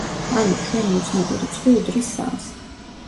ანუ, ჩვენი უცნობი რიცხვი უდრის სამს.